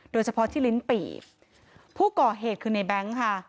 โดยเฉพาะที่ลิ้นปี่ผู้ก่อเหตุคือในแบงค์ค่ะ